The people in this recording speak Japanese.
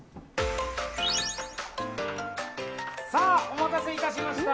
お待たせいたしました。